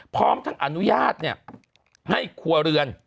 พร้อมทั้งอนุญาตให้ครัวเรือน